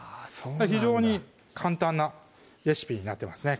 非常に簡単なレシピになってますね